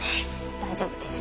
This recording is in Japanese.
大丈夫です！